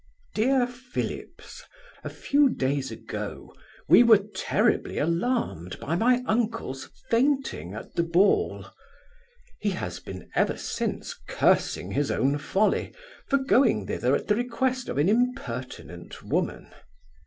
DEAR PHILLIPS, A few days ago we were terribly alarmed by my uncle's fainting at the ball He has been ever since cursing his own folly, for going thither at the request of an impertinent woman.